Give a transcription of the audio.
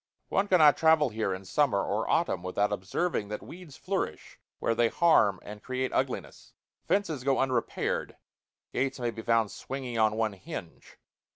One cannot travel here in summer or autumn without observing that weeds flourish where they harm and create ugliness; fences go unrepaired; gates may be found swinging on one hinge.